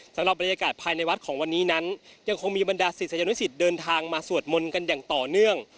สำหรับบรรยากาศภายในวัดของวันนี้นั้นยังคงมีบรรดาศิษยานุสิตเดินทางมาสวดมนต์กันอย่างต่อเนื่อง